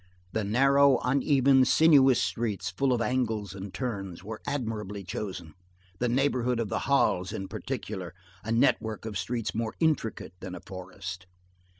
The narrow, uneven, sinuous streets, full of angles and turns, were admirably chosen; the neighborhood of the Halles, in particular, a network of streets more intricate than a forest.